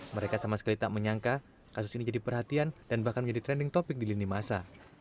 mereka sama sekali tak menyangka kasus ini jadi perhatian dan bahkan menjadi trending topic di lini masa